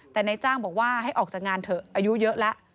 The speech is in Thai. แต่นายจ้างบอกว่าให้ออกจากงานเถอะอายุเยอะแล้ว